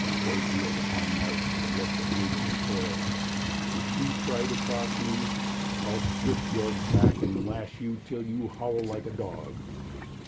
Boyd wheeled upon Marsh with a look that made him recoil. "If you try to cross me, I'll strip your back and lash you till you howl like a dog."